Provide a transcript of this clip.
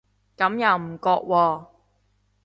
咁又唔覺喎